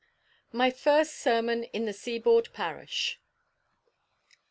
MY FIRST SERMON IN THE SEABOARD PARISH.